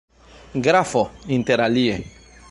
Grafo, interalie.